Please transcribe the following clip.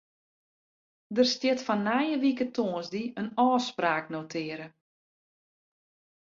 Der stiet foar nije wike tongersdei in ôfspraak notearre.